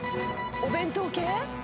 お弁当系？